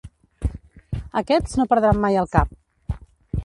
Aquests no perdran mai el cap.